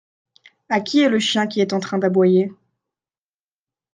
À qui est le chien qui est en train d’aboyer ?